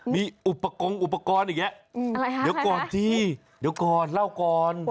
มีอุปกรณ์อุปกรณ์อีกแล้ว